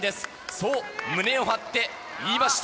そう胸を張って言いました。